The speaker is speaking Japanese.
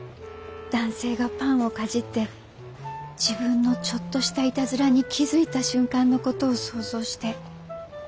男性がパンをかじって自分のちょっとしたいたずらに気付いた瞬間のことを想像して。